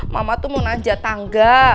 mama tuh mau naja tangga